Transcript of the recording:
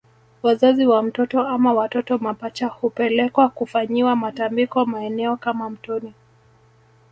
Wazazi wa mtoto ama watoto mapacha hupelekwa kufanyiwa matambiko maeneo kama mtoni